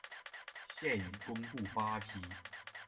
现已公布八批。